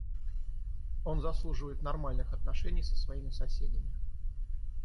Он заслуживает нормальных отношений со своими соседями.